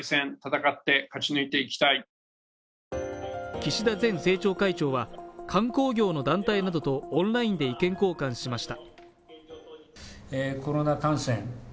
岸田前政調会長は、観光業の団体などとオンラインで意見交換しました。